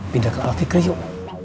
pindah ke alfi kriuk